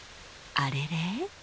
あれれ？